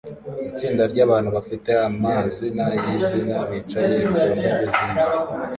Itsinda ryabantu bafite amazina yizina bicaye ku ntebe zimwe